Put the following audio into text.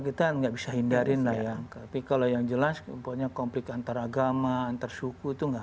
kita nggak bisa hindari lah ya tapi kalau yang jelas pokoknya konflik antaragama antar suku itu nggak